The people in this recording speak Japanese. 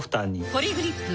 ポリグリップ